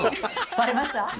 バレました？